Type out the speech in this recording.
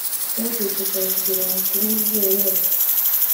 Twabyutse kare kugirango tubone izuba rirashe